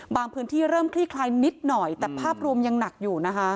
พื้นที่เริ่มคลี่คลายนิดหน่อยแต่ภาพรวมยังหนักอยู่นะคะ